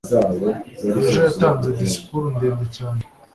Ejo yatanze disikuru ndende cyane.